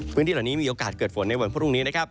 พื้นที่เหล่านี้มีโอกาสเกิดฝนในวันพรุ่งนี้นะครับ